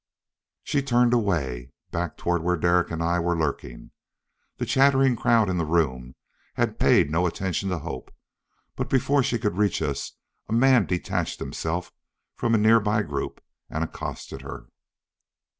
She turned away, back toward where Derek and I were lurking. The chattering crowd in the room had paid no attention to Hope, but before she could reach us a man detached himself from a nearby group and accosted her.